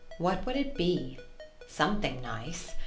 What would it be? something nice.